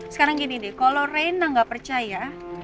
sekarang gini deh kalau rena gak percaya